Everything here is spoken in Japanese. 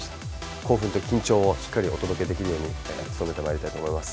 興奮と緊張をしっかりお届けできるように努めてまいりたいと思います。